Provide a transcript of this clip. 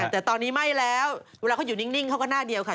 แต่ตอนนี้ไม่แล้วเวลาเขาอยู่นิ่งเขาก็หน้าเดียวค่ะ